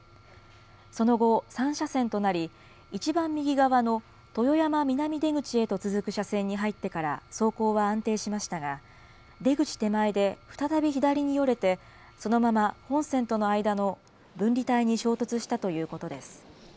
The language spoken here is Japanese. その後、３車線となり、一番右側の豊山南出口へと続く車線に入ってから走行は安定しましたが、出口手前で再び左によれて、そのまま本線との間の分離帯に衝突したということです。